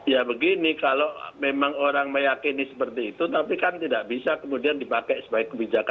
ya begini kalau memang orang meyakini seperti itu tapi kan tidak bisa kemudian dipakai sebagai kebijakan